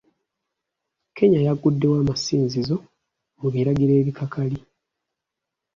Kenya yaguddewo amasinzizo mu biragiro ebikakali.